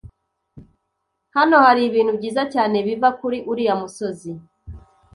Hano haribintu byiza cyane biva kuri uriya musozi.